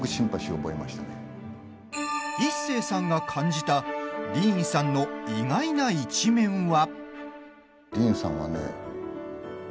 イッセーさんが感じたディーンさんの意外な一面は。